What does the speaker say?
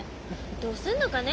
どうすんのかね